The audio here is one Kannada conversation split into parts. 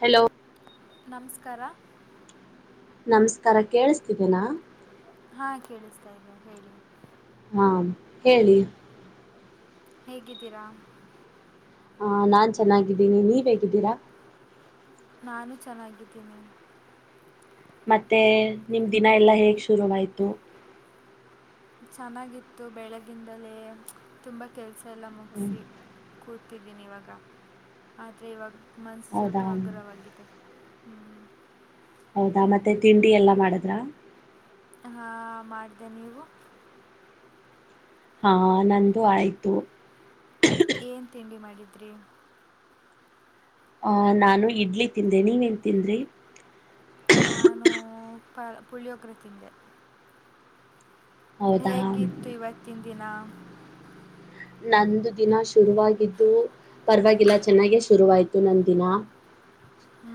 ಹಲೋ ನಮಸ್ಕಾರ ನಮಸ್ಕಾರ ಕೇಳಿಸತಿದೆೀನಾ ಹಾಂ ಕೇಳಿಸ್ತಾ ಇದ್ದ ಹೇಳಿ ಹಾ ಹೇಳಿ ಹೇಗಿದ್ದೀರಾ ಹ ನಾನ್ ಚೆನ್ನಾಗಿದ್ದೀನಿ ನೀವ್ ಹೇಗಿದ್ದೀರಾ ನಾನು ಚೆನ್ನಾಗಿದ್ದೀನಿ ಮತ್ತೆ ನಿಮ ದಿನ ಎಲ್ಲಾ ಹೇಗ್ ಶುರುವರುವಾಯ್ತು ಚೆನ್ನಾಗಿತ್ತು ಬೆಳಗಿಂದಲೇ ತುಂಬಾ ಕೆಲ್ಸ ತಲೆ ಹ್ಮ್ ಮುಗಿಸಿ ಕೂತಿದ್ದೀನಿ ಇವಾಗ ಆದರೆ ಇವಾಗ ಮನಸು ಸ್ವಲ್ಪ ಹೌದಾ ಹಗ್ರವಾಗಿದೆ ಹ್ಮ್ ಹೌದಾ ಮತ್ತೆ ತಿಂಡಿ ಎಲ್ಲಾ ಮಾಡಿದ್ರ ಹಾ ಮಾಡಿದೆೆ ನೀವು ಹಾ ನಂದು ಆಯ್ತು ಏನ್ ತಿಂಡಿ ಮಾಡಿದ್ರಿ ಅಹ ನಾನು ಇಡ್ಲಿ ತಿಂದೆ ನೀವ ನ್ ತಿಂದ್ರಿ ನಾನು ಪ ಪುಳಿಯೋಗ್ರಫಿಂದೆ ಹೌದಾ ಹೇಗಿತ್ತು ಇವತ್ತಿನ ದಿನ ನಂದು ದಿನ ಶುರುವಾಗಿದ್ದು ಪರವಾಗಿಲ್ಲ ಚೆನ್ನಾಗೆ ಶುರುವಾಯ್ತು ನಂದ ದಿನ ಹ್ಞೂ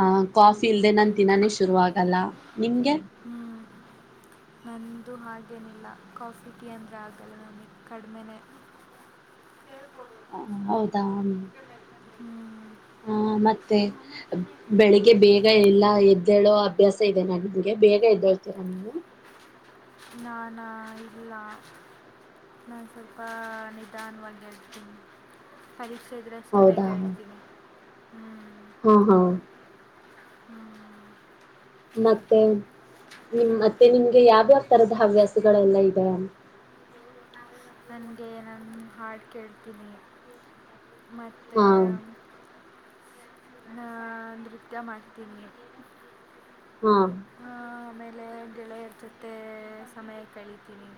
ಆ ಕಾಫಿ ಇಲ್ದೆೇ ನನ್ು ತಿನಾನನೆ ಶುರು ಆಗಲ್ಲ ನಿಮ್ಗೆ ಹ್ಮ್ ನನ್ನದು ಹಾಗೇನಿಲ್ಲ ಕಾಫಿ ಟೀ ಅಂದರೆ ಆಗಲ್ಲ ನನಗೆ ಕಡಿಮೆೇ ಹ ಹೌದಾ ಹ ಮೆಲ್ಲೆ ಹ್ಮ್. ಮತ್ತ ಮತ್ತೆ ಮತ್ತೆ ಪ್ರಾಕ್ಟೀಸ್ ಮಾಡುವಾಗ ಬೆಳಿಗ್ಗೆ ಬಿಟ್ಟು ಬೇಗ ಎಲ್ಲ ಎದ್ದೇಳೋ ಅಭ್ಯಾಸ ಬರುತ್ತೆ ಇದೆ ನೀವು ನನಗೆ ಬೇಗ ಹೇಳ್ಕೊಡಿ ಎದ್ದಳ್ತೀರ ನೀವು ನಾನು ಇಲ್ಲ ನಾನು ಸ್ವಲ್ಪ ನಿಧಾನವಾಗಿ ಹೇಳ್ತೀನಿ ಪರೀಕ್ಷ ಿದ್ರಷ್ಟೇ ಬೇಗ ಹೌದಾ ಇರ್ತೀನಿ ಹ್ ಹಾ ಹಾ ಹ್ಮ್ ಮತ್ತೆ ನಿಮ್ಮ ಮತ್ತೆ ನಿಮ್ಗೆ ಇದು ಯಾವ್್ಯಾವ್ ಗೊತ್ತಿಲ್ಲ ತರದ ನನಗೆ ಏನು ಮಾಡ್ತೀನಿ ಹವ್ಯಾಸಗಳೆಲ್ಲಾ ಇದೆ ಇದು ನಾವೆಲ್ಲ ನನಗೆ ನಾನು ಹಾಡು ಕೇಳ್ತೀನಿ ಮತ್ತು ಹಾ ಹ ನೃತ್ಯ ಮಾಡ್ತೀನಿ ಹಾ ಆಮೇಲೆ ಗೆಳೆಯರ ಜೊತೆ ಸಮಯ ಕಳಿತೀನಿ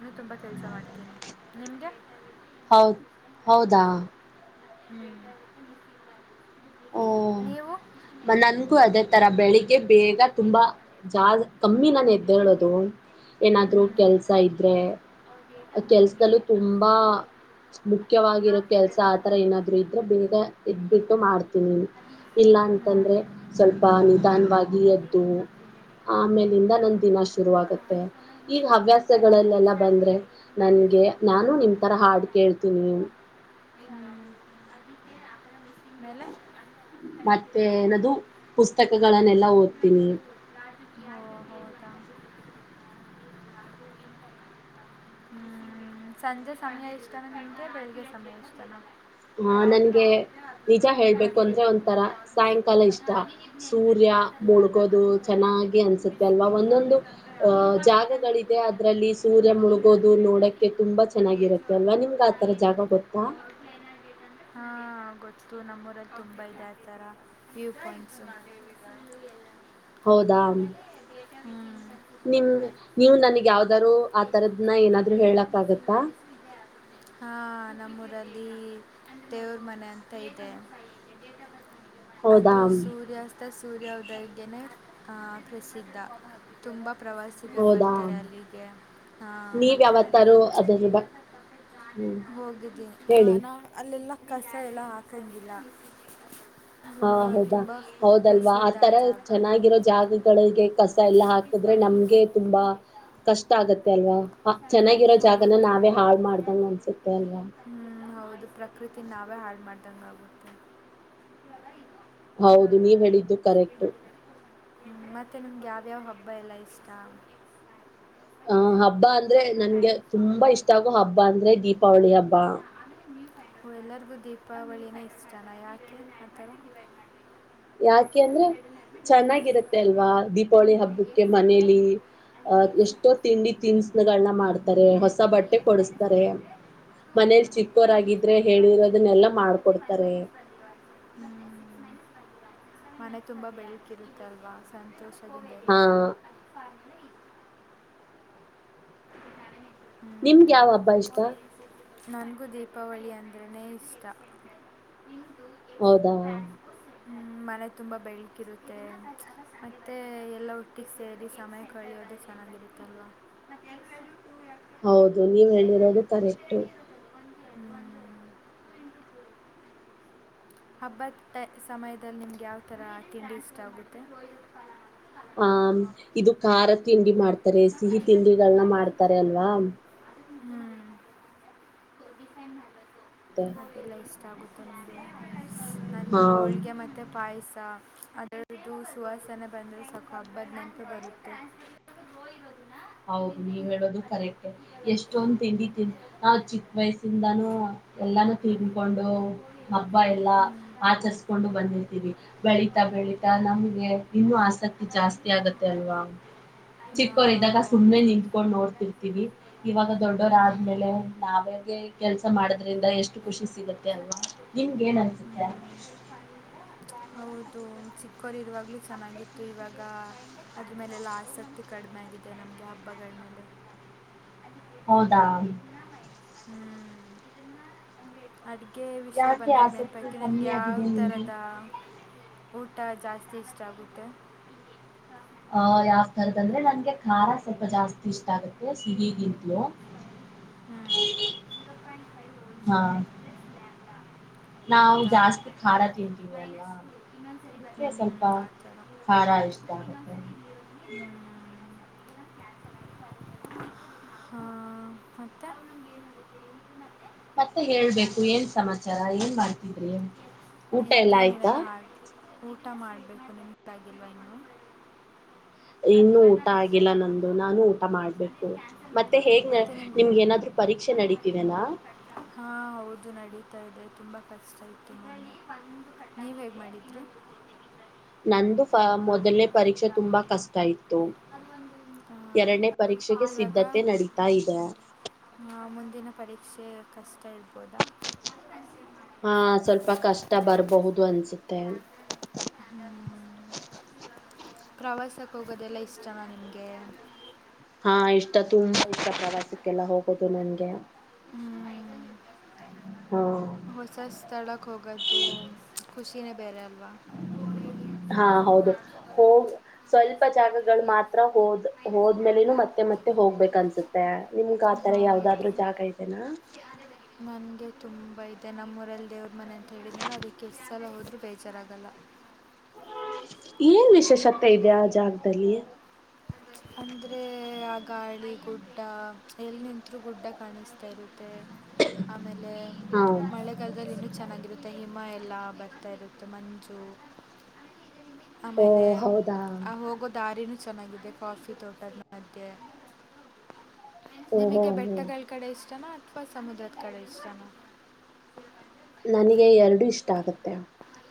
ನೀ ತುಂಬಾ ಕೆಲಸ ಮಾಡ್ತೀನಿ ನಿಮಗೆ ಹೌದ್ ಹೌದಾ ಹ್ಮ್ ಹಓ ಮ ನನ್ಗೂ ಅದೇ ತರ ಬೆಳಿಗ್ಗೆ ಬೇಗ ತುಂಬಾ ಜಾ ಕಮ್ಮಿ ನಾನ ಎದ್ದೇಳೋದು ಏನಾದ್ರು ಕೆಲ್ಸ ಇದ್ರೆ ಕೆಲ್ಸದಲ್ಲೂ ತುಂಬಾ ಮುಖ್ಯವಾಗಿರೋ ಕೆಲ್ಸ ಆತರ ಏನಾದ್ರು ಇದ ಬೇಗ ಎದ ಬಿಟ್ಟು ಮಾಡ್ತ ಇಲ್ಲ ಅಂತಂದ್ರೆ ಹ್ಞೂ ಸ್ವಲ್ಪ ನಿಧಾನವಾಗಿ ಹ್ಮ್. ಎದ್ದು ಆಮೇಲಿಂದ ಹ್ಮ್. ಹ್ಮ್. ನನ್ ದಿನ ಶುರು ಆಗತ್ತೆ ಈಗ ಹವ್ಯಾಸಗಳಲ್ಲೆಲ್ಲ ಬಂದ್ರೆ ನನ್ಗೆ ನಾನು ನಿಮ್ ತರ ಹಾಡ್ ಕೇಳ್ತೀನಿ ಮೇಲೆ ಮತ್ತೆ ಹರಿರಲ್ಲ ಏನದು ಪುಸ್ತಕಗಳನ್ನೆಲ್ಲ ನೋ ಓದ್ತೀನಿ. ಹ ಹದ ಹ್ಮ್ ಸಂಜೆ ಸಮಯ ಇಷ್ಟ್ತಾನ ನಿಂಟೆ ಬೆಳಗೆ ಸಮಯ ಇಷ್ಟ್ತಾನ ಆಹ ನಂಗೆ ನಿಜ ಹೇಳ್ಬೇಕು ಅಂದ್ರೆ ಕಂಡುಹಿಡಿಬೇಕು ಒಂಥರ ಮತ್ತೆ ಯಾವ್ದು ಮಿಸ್ಸಿಂಗ್ ಸಾಯಂಕಾಲ ಇದೆ ಇಷ್ಟ ಹಾ, ನೀನ್ ಇದ್ ಸೂರ್ಯ ನೆನ್ಪಿಟ್ಕೊ ಅದರ ಮುಳುಗೋದು ಪ್ರಕಾರವಾಗಿ ಇದ್ ಬರಿ ಚೆನ್ನಾಗಿ ಅನ್ಸತ್ತೆ ಮಿಸ್ ಅಲ್ವಾ ಒಂದೊಂದು ಇನ್ಕಂಪ್ಲೀಟ್ ಅಂದ್ರೆ ಅಹ ಯಾವ್ದು ಇನ್ಕಂಪ್ಲೀಟ್ ಅಂದ್ರೆ ಇದು ಜಾಗಗಳಿದೆ ಡೇಟ್ ಆಫ್ ಬರ್ತ್ ಅದ್ರಲ್ಲಿ ಸೂರ್ಯ ಮುಳುಗೋದು ಇನ್ಅಕ್ಯುರೇಟ್ ಅಂದ್ರೆ ನೋಡಕ್ಕೆ ಇದು ತುಂಬಾ ಏಜು ಚೆನ್ನಾಗಿರುತ್ತೆ ಅಲ್ವಾ ಅದ್ರಲ್ಲಿ ನಿಮ್ಗ ಬರುತ್ತೆ ಹಾ ಆತರ ಏಜ್ ಜಾಗ ಅಲ್ಲಿ ಗೊತ್ತಾ ಬರುತ್ತೆ ಅವ್ರ ಪ್ಲೇನರ್ ಡೇಟ್ ಹಾ ಗೊತ್ತತು ನಮ್ಮೂರಲ್ಲಿ ತುಂಬಾ ಇದೆ ಆಥರ ವ್ಯೂ ಪಾಯಿಂಟ್ಸ ಹೌದಾ ಹ್ಮ ನಿಮ್ ನೀವು ನನಗ್ ಯಾವ್ದಾರು ಆ ತರದ್ನ ಏನಾದ್ರು ಹೇಳಕ್ ಆಗತ್ತಾ ಹಾ ನ ಪ್ರದೀಪ್ ದೇವ್ರ ಮನೆ ಅಂತ ಇದೆ ಹೌದಾ ಅದು ಸೂರ್ಯಾಸ್ತ ಸೂರ್ಯೋದಯೋಗ್ಯನ ಪ್ರಸಿದ್ಧ ತುಂಬ ಪ್ರವಾಸಿಗರು ಹೌದಾ ಬರ್ತಾರೆ ಅಲ್ಲಿಗೆ ನೀವ್ ಮತ್ತು ಅಲ್ಲಿ ಯಾವತ್ತಾರು ಅದ್ರ ಬ ಹ್ಮ್ ಹೋಗಿದ್ದೀನಿ ಹೇಳಿ ನಾವು ಅಲ್ಲೆಲ್ಲ ಕಸ ಎಲ್ಲ ಹಾಕಂಗಿಲ್ಲ ಹಾ ಹೌದಾ ತುಂಬ ಹೌದಲ್ವಾ ಪ್ರಸಿದ್ಧ ಆ ಆತರ ಜಾಗ ಹ್ಮ್. ಚೆನ್ನಾಗಿರೋ ಜಾಗಗಳಿಗೆ ಕಸ ಎಲ್ಲಾ ಹಾಕಿದ್ರೆ ನಮ್ಗೆ ತುಂಬಾ ಕಷ್ಟ ಆಗತ್ತೆ ಅಲ್ವಾ ಚೆನ್ನಾಗಿರೋ ಜಾಗನ ಹೌದು ನಾವೇ ಹಾಳ ಮಾಡ್ದಂಗ ಅನ್ಸುತ್ತೆ ಅಲ್ವಾ ರ ನಾವೇ ಹಾಳು ಮಾಡ್ದಂಗ ಆಗುತ್ತೆ ಹೌದು ನೀವ್ ಹೇಳಿದ್ದು ಕರೆಕ್ಟ್ ಹ್ಮ ಮತ್ತೆ ನಮ್ಗೆ ಯಾವ್ಯಾವ ಹಬ್ಬ ಎಲ್ಲ ಇಷ್ಟ ಆ ಹಬ್ಬ ಅಂದ್ರೆ ನನ್ಗೆ ತುಂಬಾ ಇಷ್ಟ ಆಗೋ ಹಬ್ಬ ಅಂದ್ರೆ ದೀಪಾವಳಿ ಹಬ್ಬ ಬ ಎಲ್ಲರಿಗೂ ದೀಪಾವಳಿನ ಇಷ್ಟಾನ ಯಾಕೆ ಆಥರ ಯಾಕೆ ಅಂದ್ರೆ ಚೆನ್ನಾಗಿರತ್ತೆ ಅಲ್ವಾ ದೀಪಾವಳಿ ನಮಗೆ ಹಬ್ಬಕ್ಕೆ ಎಕ್ಸ್ ಸೆಂಟರ್ ಮನೇಲಿ ಬೇಕು ಅಹ ಅದಕ್ಕೆ ಎಕ್ಸ್ ಎಷ್ಟೋ ಮೈನಸ್ ತಿಂಡಿ ತನ್ಸನ್ಗಳನ್ನ ಮಾಡ್ತಾರೆ ಹೊಸ ಇಲ್ಲಿ ಬಟ್ಟೆ ಎಕ್ಸ್ ಮೈನಸ್ ಕೊಡಸ್ತಾರೆ ಅಂದರೆ ಟೂ ಮನೇಲಿ ಹ್ಮ್. ಟೂ ಮೈನಸ್ ಚಿಕ್ಕೋರಾಗಿದ್ರೆ ಬಂದಿರೋ ಆನ್ಸರ್ ಹೇಳಿರೋದನ್ನೆಲ್ಲ ಮತ್ತೆ ಒನ್ ಮಾಡ್ಕೊಡ್ತಾರೆ ಮೈನಸ್ ಬಂದಿರೋ ಆನ್ಸರ್ ಮತ್ತೆ ಹ್ಮ್. ಸಿಕ್ಸ್ ಮೈನಸ್ ಮನೆ ತುಂಬಾ ಬೆಳಕಿರುತ್ತಲ್ವಾ ಸಂತೋಷ ಅ ಹಾ ಆದ್ರೆ ನಿಮ್ಗೆ ಯಾವ ಹಬ್ಬ ಇಷ್ಟ ನನಗೂ ದೀಪಾವಳಿ ಅಂದ್ರನೇ ಇಷ್ಟ ಹೌದಾ ಮನೆ ತುಂಬ ಬೆಳಕಿರುತ್ತೆ ಮತ್ತು ಎಲ್ಲ ಹುಟ್ಟಿಗೆ ಸೇರಿ ಸಮಯ ಕಳಿಯೋದು ಚೆನ್ನಾಗಿರುತ್ತಲ್ವ ಹೌದು ನೀವ್ ಹೇಳಿರೋದು ಕರೆಕ್ಟು ಒಟ ಹಬ್ಬದ ಸಮಯದಲ್ಲಿ ನಿಮ್ಗೆ ಯಾವ ಥರ ತಿಂಡಿ ಇಷ್ಟ ಆಗುತ್ತೆ ಹ ಇದು ಖಾರ ತಿಂಡಿ ಮಾಡ್ತಾರೆ ಸಿಹಿ ತಿಂಡಿಗಳನ್ನ ಮಾಡ್ತಾರೆ ಅಲ್ವಾ ಹ್ಮ್ ಮತ್ತೆ ಹಕೆಲ್ಲ ತವು ನನ್ಗು ಹಾ ಹೋಳಿಗೆ ಮತ್ತೆ ಪಾಯಸ ಅದರದ್ದದು ಸುವಾಸನೆ ಬಂದರೆ ಸವಖ ಹಬ್ಬದ ನನಂತೂ ಬರುತ್ತೆ ಹೌದು ನೀವ್ ಹೇಳೋದು ಕರೆಕ್ಟ್ ಎಷ್ಟ ಅಷ್ಟೊಂದು ತಿಂಡಿ ತಿಿ ನಾ ಚಿಕ್ಕ ವಯಸ್ಸಿಂದಾನೂ ಎಲ್ಲಾನು ತಿಗಿಕೊಂಡ ಹಬ್ಬ ರೇಂಜ್ ಬಂದು ಎಲ್ಲಾ ಹ್ಮ್. ಎಷ್ಟು ಬಂತ ಆಚರಿಸಕೊಂಡು ಅನ್ಸೋದು ಬಂದಿರ್ತೀವಿ ಕೂಡ ರೇಂಜು ಬೆಳತಾ ಅಲ್ಲಿ ಬೆಳತಾ ಇದೆಯಾ ನಮ್ಗೆ ಇನ್ನು ಆಸಕ್ತಿ ಅದರಲ್ಲಿ ಜಾಸ್ತಿ ನಾನು ಆಗತ್ತೆ ನಾನು ಅಲ್ವಾ ಹೇಳ್ಬೇಕು ಹಾ, ಚಿಕ್ಕೋರು ಇದಾಗ ಸುಮ್ನೆ ಹೌದು. ನಿಂತ್ಕೊಂಡ್ ನೋಡ್ತಿರ್ತಿೀವಿ ಇವಾಗ ದೊಡ್ಡೋರ ಹ್ಮ್ ಆದ್ಮೇಲೆ ನಾವೇಾಗ ಕೆಲ್ಸ ಮಾಡ ದ್ರಂದ ಎಷ್ಟು ಖುಷಿ ಸಿಗುತ್ತೆ ಅಲ್ವಾ ನಿಮಗೆ ಏನ್ ಅನ್ಸುತ್ತೆ ಹೌದು ಚಿಕ್ಕೋರು ಇರುವಾಗಲೂ ಚೆನ್ನಾಗಿತ್ತು ಇವಾಗ ಅದ್ರ ಮೇಲೆಲ್ಲ ಆಸಕ್ತಿ ಕಡಿಮೆ ಆಗಿದೆ ನಮಗೆ ಹಬ್ಬಗಳ ಮೇಲೆ ಹೌದಾ ಅ ಅಕೆ ವಿಷಯ ಯಾಕೆ ಬಂದಾಗ ಆಸಕ್ತಿ ನೆನ್ನಪೈತಿ ನಿಮ್ಗೆ ಕಮ್ಮಿ ಯಾವ ಆಗಿದೆ ನಿಮ್ಗೆ ಥರದ ಊಟ ಜಾಸ್ತಿ ಇಷ್ಟ ಆಗುತ್ತೆ ಅಹ ಮಾಡಿರ್ತಾರೆ ಯಾವ್ ತರದ ಅಂದ್ರೆ ಝೀರೋ ನನ್ಗೆ ಕಟ್ ಖಾರ ಅಲ್ಲಿ ಎರಡು ಸ್ವಲ್ಪ ಜಾಸ್ತಿ ಇಷ್ಟ ಆಗತ್ತೆ ಸಿಹಿಗಿಂತಲೂ ಹ್ಮ್ ಹಾ ನಾವು ಹೌದ ಜಾಸ್ತಿ ಖಾರ ತಿಂತೀವಿ ಹ್ಮ ಅಲ್ವಾ ಅದಕ್ಕೆ ಸ್ವಲ್ಪ ಹ್ಮ ಆ ತರಹ್ಮ ಖಾರ ಇಷ್ಟ ಹ್ಮ ಆಗತ್ತೆ ಮತ್ತೆ ಮತ್ತೆ ಹೇಳ್ಬೇಕು ಲ್ಯಾಂಬ್ಡ ಏನ್ ಉಳಿಯುತ್ತೆ ಸಮಾಚಾರ ಏನ್ ಮಾಡ್ತಿದ್ರಿ ಊಟ ಎಲ್ಲ ಇದ್ದೀನಿ ಆಯ್ತಾ ನಾನು ಹಾಗೆ ಊಟ ಮಾಡಬೇಕು ನಿಮಗಾಗಿಲ್ವಾ ಇನ್ನುೂ ಇನ್ನುೂ ಊಟ ಆಗಿಲ್ಲ ನಂದು ಹೋಗಿ ನಾನು ಊಟ ಮಾಡ್ಬೇಕು ಮತ್ತೆ ಹೇಗ್ ನಿಮ ಹಾ ಹೌದು ನಡಿ ತ ಇದೆ ತುಂಬಾ ಕಷ್ಟ ಇತ್ತು ನೋ ನೀವ್ ಹೇಗ್ ಮಾಡಿದ್ರಿ ನಂದು ಹಾ. ಮೊದಲನೇ ಪರೀಕ್ಷೆ ತುಂಬಾ ಕಷ್ಟ ಇತ್ತು ಎರಡನೇ ಇದಕ್ಕೆ ಒಂದು ಪರೀಕ್ಷೆಗೆ ಪಾಲು ಇವಾಗ? ಸಿದ್ಧತೆ ನಡೀತಾ ಇದೆ ಆ, ಮುಂದಿನ ಪರೀಕ್ಷೆ ಕಷ್ಟ ಇಡ್ಬೋದಾ ಹಾ ಸ್ವಲ್ಪ ಕಷ್ಟ ಬರರ್ಬಹುದು ಅನ್ಸುತ್ತೆ ಪ್ರವಾಸಕ್ಕೆ ಹೋಗೋದೆಲ್ಲ ಇಷ್ಟನಾ ನಿಮಗೆ ಹಾ ಇಷ್ಟ ತುಂಬಾ ಇಷ್ಟ ಪ್ರವಾಸಕ್ಕೆಲ್ಲ ಹೋಗೋದು ನನ್ಗೆ ಹ್ಮ್ ಹಾ ಹೊಸ ಸ್ಥಳಕ್ಕೆ ಹೋಗ್ದದು ಖುಷಿನೇ ಬೆೇರೇ ನ ಹಾ ಹೌದು ಹತ್ರ ಹೋದ್ ಹೋದ್ಮೇಲೆನು ಮತ್ತೆ ಮತ್ತೆ ಹೋಗ್ಬೇಕು ಅನ್ಸುತ್ತೆ ನಿಮ್ಗ ಕೋಇನ್ಸಿಡೆಂಟ್. ಆತರ ಹೌದು. ಯಾವ್ದಾದ್ರರು ಜಾಗ ಇತೆನಾ ನನಗೆ ತುಂಬ ಇದೆ ನಮ್ಮೂಊರಲ್ಲಿ ದೇವ್ರ ಮನೆ ಅಂತ ಹೇಳಿದನ ಅದಕ್ಕೆ ಸಲ ಹೋದರೂ ಬೇಜಾರಾಗಲ್ಲ ಏನ್ ವಿಶೇಷತೆ ಇದೆ ಆ ಜಾಗದಲ್ಲಿ ಅಂದ್ರೆ ಆ ಗಾಳಿ ಗುಡ್ಡ ಎಲ್ಲಿ ನಿಂತರೂ ಗುಡ್ಡ ಕಾಣಿಸ್ತಾ ಇರುತ್ತೆ ಆಮೇಲೆ ಹಾ ಮಳೆಗಾಲದಲ್ಲಿ ಇನ್ನು ಚೆನ್ನಾಗಿರುತ್ತೆ ಹಿಮ ಎಲ್ಲ ಬರ್ತಾ ಇರುತ್ತೆ ಮಂಜು ಓ ಆಮೇಲೆ ಹೌದಾ ಆ ಹೋಗೋ ದಾರಿನೆ ಚೆನ್ನಾಗಿದೆ ಕಾಫಿ ತೋಟಲ್ ಮಧ್ಯೆ ಓಹೋ ನಿಮಗೆ ಹೋ ಬೆಟ್ಟಗಳ ಕಡೆ ಇಷ್ಟನಾ ಪ್ಪ ಸಮುದ್ರತ್ ಕಡೆ ಇಷ್ಟತಾನ ನನಗೆ ಎರಡು ಇಷ್ಟ ಆಗುತ್ತೆ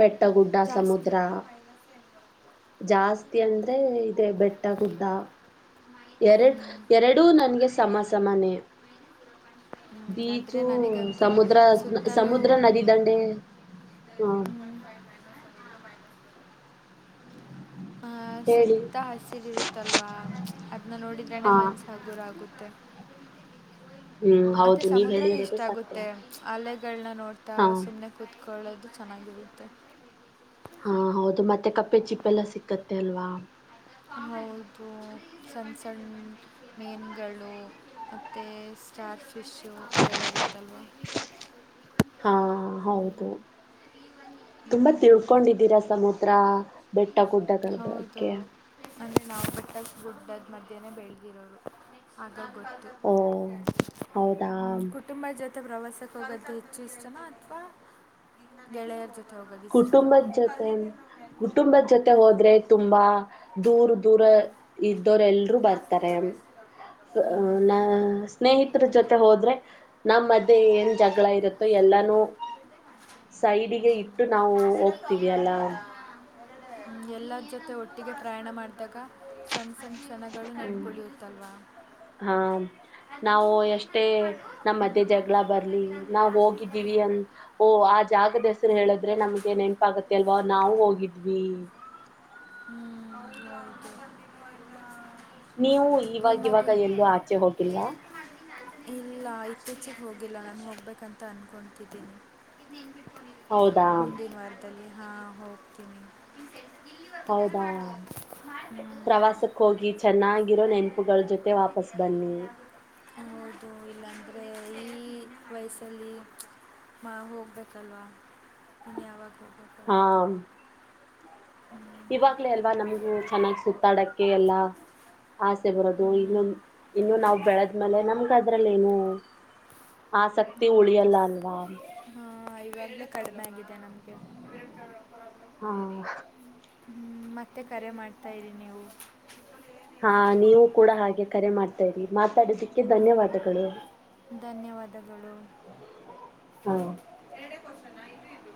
ಬೆಟ್ಟಗುಡ್ಡ ಜಾಸ್ತಿ ಸಮುದ್ರ ಇದೆಲ್ಲ ಮೈನಸ್ ಹೆಂಗೆ ಬರ್ತದೆ ಜಾಸ್ತಿ ಅಂದ್ರೆ ಇದೆ ಬೆಟ್ಟಗುಡ್ಡ ಎರಡ್ ಎರಡೂ ನನ್ಗೆ ಸಮ ಸಮಮನೆ ಹ್ಮ್, ಆದರೆ ಬೀಚು ನನಗಂತೂ ಸಮುದ್ರ ಸುತ್ತಲೂ ಸಮುದ್ರ ನದಿ ದಂಡೆ ಹಾ ಹ್ಮ್, ಹಹ ಹೇಳಿ ಸುತ್ತ ಹಸಿರು ಇರುತ್ತಲ್ವಾ ಅದನ್ನ ನೋಡಿದ್ರನೆ ಹಾ ಮನ್ಸ ಹಗುರ ಆಗುತ್ತೆ ಹ್ಮ್ ಮತ್ತೆ ಹೌದು ನೀವ್ ಸಮುದ್ರನೂ ಇಷ್ಟ ಹೇಳಿರೋದು ಸತ್ಯ ಆಗುತ್ತೆ ಅಲ್ಲ ಗಳನ್ನ ನೋಡ್ತಾ ಹಾ ಸುಮ್ಮನೆ ಕೂತ್ಕೊಂಡ ಒೊಳ್ಳೆದು ಚೆನ್ನಾಗಿರುತ್ತೆ ಹಾ ಹೌದು ಮತ್ತೆ ಕಪ್ಪೆ ಚಿಪ್ಪೆಲ್ಲ ಸಿಕ್ಕತ್ತೆ ಅಲ್ವಾ ಹೌದು ಸಣ್ಣ ಸಣ್ಣ ಮೇನ್ಗಳು ಮತ್ತು ಸ್ಟಾರ್ ಫಿಶ್ಶು ಅದೆಲ್ಲ ಇರುತ್ತಲ್ವ ಹಾ ಹ್ಮ್. ಹೌದು ತುಂಬಾ ಹ್ಮ್. ತಿಳ್ಕೊಂಡಿದ್ದೀರ ಸಮುದ್ರ ಬೆಟ್ಟ ಗುಡ್ಡಗಳ ಹೌದು ಬಗ್ಗೆ ಅಂದರೆ ನಾವು ಬಟ್ಟಾಗ ದುಡ್ಡದ ಮಧ್ಯನನೆ ಬೆಳೆದಿರೋರು ಆಗ ಗೊತ್ತು ಓ ಹೌದಾ ಮತ್ತೆ ಪ್ರವಾಸಕ್ಕೆೋಗ್ದೆ ಹೆಚ್ಚು ಇಷ್ಟನ ಅಥವಾ ಗೆಳೆಯರ ಜೊತೆ ಹೋಗೋದ ಇಷ್ಟತಾನ ಕುಟುಂಬದ್ ್ರೆ ತುಂಬಾ ದೂರ ದೂರ ಇದ್ದವರೆ ಎಲ್ರುೂ ಜಾಸ್ತಿ ಬರ್ತಾರೆ ಗಮನಿಸ್ತಿದ್ದಾರೆ ಕೊಡ್ತಾರೆ ನ ಒಂದು ಇದೆ ಸ್ನೇಹಿತರ ಇದು ಜೊತೆ ಹೋದ್ರೆ ನಮ್ಮ ಮಧ್ಯೆ ಏನ್ ಜಗಳ ಇರುತ್ತೆ ಅಷ್ಟೇ ಎಲ್ಲಾನು ಇದ್- ಇದ್ರದ್ದೇ ಮಾಡ್ತೀನಿ ಸೈಡಿಗೆ ಇಟ್ಟು ನಾವು ಹೋಗ್ತವಿ ಅಲ್ಲಾ ಹ್ಮ ಎಲ್ಲರ ಜೊತೆ ಒಟ್ಟಿಗೆ ಪ್ರಯಾಣ ಮಾಡಿದಾಗ ಸಣ್ಣ ಸಣ್ಣ ಕ್ಷಣಗಳು ಹ್ಮ್ ನೆನ್ಕಳಿಯುತ್ತಲ್ವಾ ಹಾ ನಾವು ಎಷ್ಟೇ ನಮ್ಮ ಮಧ್ಯೆ ಜಗಳ ಬರ್ಲಿ ನಾವ್ ಹೋಗಿದ್ದೀವಿ ಅನ್ ಓ ಆ ಜಾಗದ ಹೇಳದ್ರೆ ನಮ್ಗೆ ನೆನಪ ಆಗತ್ತೆ ಅಲ್ವಾ ನಾವು ಹೋಗಿದ್ವಿ ಹ್ಮ್ ಬತ ನೀವು ಇವಾಗ ಇವಾಗ ಎಲ್ಲೂ ಆಚೆ ಹೋಗಿಲ್ವಾ ಇಲ್ಲ ಇತ್ತೀಚೆಗೆ ಹೋಗಿಲ್ಲ ನಾನು ಹೋಗ್ಬೇಕಂತ ಅನ್ಕೊತಿದ್ದೀನಿ ಹೌದಾ ಮುಂದು ಮರ್ತದಲ್ಲಿ ಹಾಂ ಹೋಗ್ತೀನಿ ಹೌದಾ ಪ್ರವಾಸಕ್ಕೆ ಹೋಗಿ ಚೆನ್ನಾಗಿರೋ ನೆನಪುಗಳ ಜೊತೆ ವಾಪಸ್ ಬನ್ನಿ ಅ ಈ ವಯಸ್ಸಲ್ಲಿ ಮಾ ಹೋಗ್ಬೇಕಲ್ವಾ ಇನ್ನು ಯಾವಾಗ ಹೋಗ ಹಾ ಹ್ಞೂ ಇವಾಗ್ಲೇ ಅಲ್ವಾ ನಮ್ಗು ಚೆನ್ನಾಗ್ ಸುತ್ತಾಡಕ್ಕೆ ಎಲ್ಲಾ ಆಸೆ ಬರೋದು ಇನ್ನು ಹ್ಞೂ ಇನ್ನು ನಾವು ಬೆಳದ್ಮೇಲೆ ನಮ್ ದ್ರಲ್ಲೇನು ಹೌದು ಹಾ ವಲ್ಲ ಕಡಿಮ ನಮ್ಗೆಬ್ ಹಾ ಮತ್ತೆ ಕರೆ ಮಾಡ್ತಾಯ ಇರಿ ನೀವು ಹಾ ನೀವು ಕೂಡ ಹಾಗೆ ಕರೆ ಮಾಡ್ತಾರಿ ಮಾತಾಡದಿಕ್ಕೆ ಧನ್ಯವಾದಗಳು ಗಳು ಹಾ ಕಷನ ಇದು ಇದು